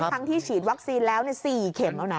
ทั้งที่ฉีดวัคซีนแล้ว๔เข็มแล้วนะ